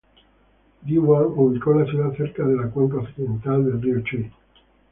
Du Huan ubicó la ciudad cerca de la cuenca occidental del río Chui.